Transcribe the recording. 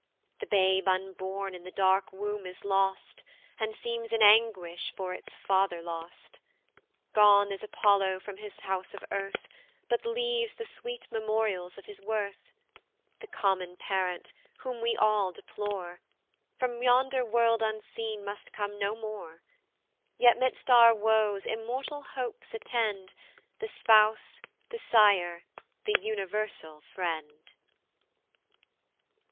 The babe unborn in the dark womb is tost, And seems in anguish for its father lost. Gone is Apollo from his house of earth, But leaves the sweet memorials of his worth: The common parent, whom we all deplore, From yonder world unseen must come no more, Yet 'midst our woes immortal hopes attend The spouse, the sire, the universal friend.